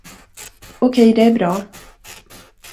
Okej, det är bra.